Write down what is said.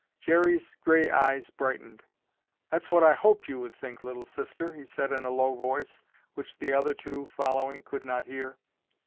Jerry's gray eyes brightened. "That's what I hoped you would think, Little Sister," he said in a low voice, which the other two, following, could not hear.